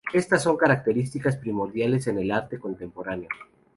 Estas son características primordiales en el arte contemporáneo.